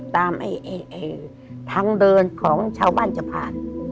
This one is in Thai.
ทางเริ่มของชาวบ้านจะผ่าน